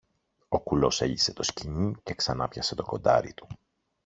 Ο κουλός έλυσε το σκοινί και ξανάπιασε το κοντάρι του